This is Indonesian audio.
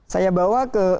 saya bawa kerujukan ke